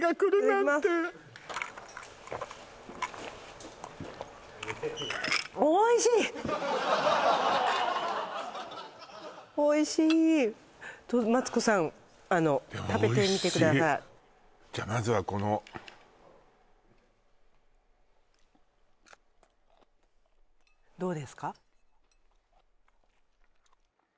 あのでもおいしい食べてみてくださいじゃまずはこのどうですか？